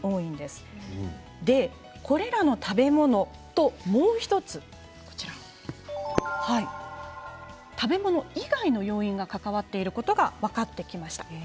これらの食べ物ともう１つ食べ物以外にも要因が関わっていることが分かってきました。